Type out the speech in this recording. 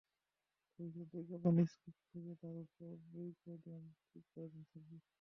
ভবিষ্যতে বিজ্ঞাপনে স্ক্রিপ্ট বুঝে তারপর সায় দেবেন বলেও ঠিক করেছেন সাব্বির।